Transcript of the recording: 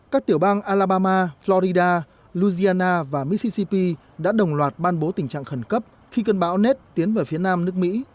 các tiểu bang alabama florida louisiana và mississippi đã đồng loạt ban bố tình trạng khẩn cấp khi cơn bão ned tiến vào phía nam nước mỹ